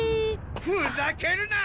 ふざけるな！